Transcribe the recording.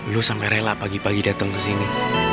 lu sampai rela pagi pagi datang kesini